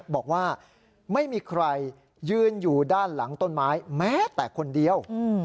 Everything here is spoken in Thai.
บอกว่าไม่มีใครยืนอยู่ด้านหลังต้นไม้แม้แต่คนเดียว